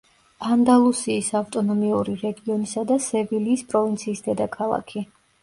ანდალუსიის ავტონომიური რეგიონისა და სევილიის პროვინციის დედაქალაქი.